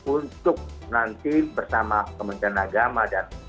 untuk nanti bersama kementerian agama dan